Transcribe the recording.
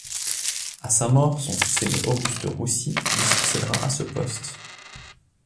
À sa mort, son fils aîné Auguste Roussy lui succédera à ce poste.